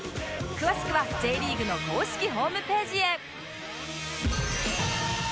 詳しくは Ｊ リーグの公式ホームページへ